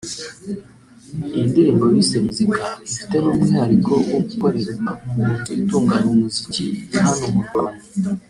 Iyi ndirimbo bise ‘Music’ ifite n’umwihariko wo gukorerwa mu nzu itunganya umuziki ya hano mu Rwanda